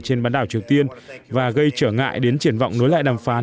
trên bán đảo triều tiên và gây trở ngại đến triển vọng nối lại đàm phán